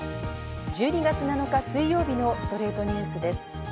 １２月７日、水曜日の『ストレイトニュース』です。